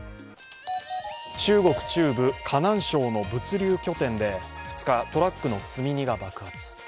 中国中部河南省の物流拠点で２日トラックの積み荷が爆発。